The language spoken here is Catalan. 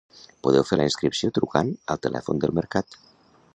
Podeu fer la inscripció trucant al telèfon del mercat.